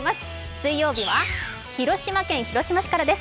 水曜日は広島県広島市からです。